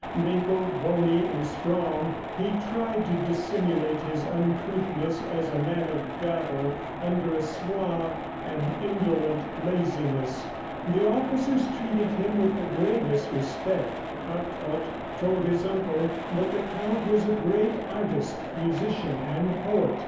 Wrinkled, bony and strong, he tried to dissimulate his uncouthness as a man of battle under a suave and indolent laziness. The officers treated him with the greatest respect. Hartrott told his uncle that the Count was a great artist, musician and poet.